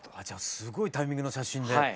じゃあすごいタイミングの写真で。